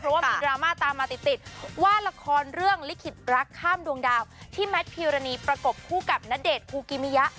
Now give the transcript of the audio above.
เพราะว่ามีดราม่าตามมาติดติดว่าละครเรื่องลิขิตรักข้ามดวงดาวที่แมทพิวรณีประกบคู่กับณเดชน์คูกิมิยะ